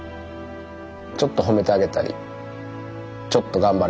ちょっと褒めてあげたりちょっと頑張れよとか。